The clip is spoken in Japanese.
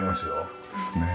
そうですね。